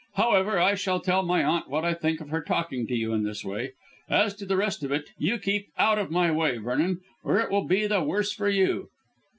"However, I shall tell my aunt what I think of her talking to you in this way. As to the rest of it, you keep out of my way, Vernon, or it will be the worse for you."